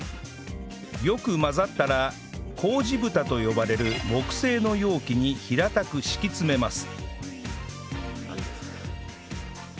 よく混ざったら麹蓋と呼ばれる木製の容器に平たく敷き詰めます